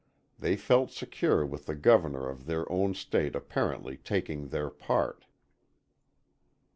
They felt secure with the governor of their own state apparently taking their part.